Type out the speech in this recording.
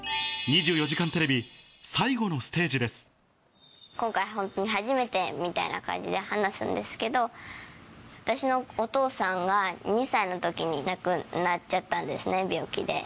２４時間テレビ最後のステージで今回、本当に初めてみたいな感じで話すんですけど、私のお父さんが、２歳のときに亡くなっちゃったんですね、病気で。